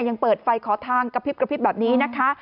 ยังเปิดไฟขอทางกระพริบแบบนี้นะคะ